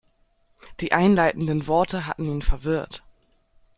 Die einleitenden Worte hatten ihn verwirrt.